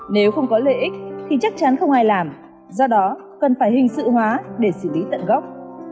nếu không có lợi ích thì chắc chắn không ai làm do đó cần phải hình sự hóa để xử lý tận gốc